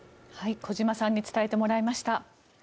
小島さんに伝えてもらいました。